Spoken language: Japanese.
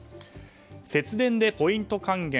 節電でポイント還元。